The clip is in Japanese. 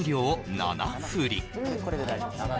これで大丈夫です